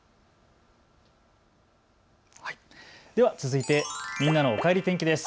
では続いてみんなのおかえり天気です。